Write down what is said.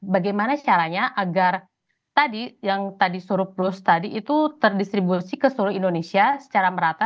bagaimana caranya agar tadi yang tadi surplus tadi itu terdistribusi ke seluruh indonesia secara merata